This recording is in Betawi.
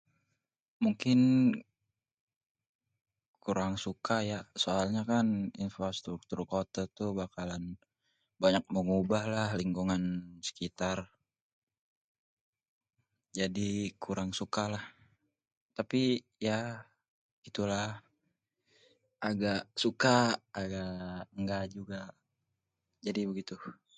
Mungkin kurang suka ya soalnya kan infrastruktur kota tuh banyak mengubah lah lingkungan sekitar, jadi kurang suka lah tapi ya itu lah agak suka, aga engga juga jadi begitu.